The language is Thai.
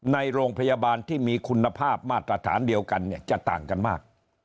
ในโรงพยาบาลที่มีคุณภาพมาตรฐานเดียวกันจะต่างกันมาก